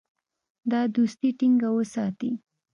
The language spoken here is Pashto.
دا دوستي ټینګه وساتي.